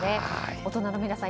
大人の皆さん